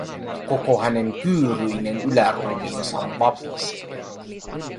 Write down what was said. Koko hänen kyyryinen yläruumiinsa vapisee.